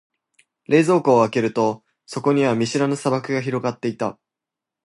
冷蔵庫を開けると、そこには見知らぬ砂漠が広がっていた。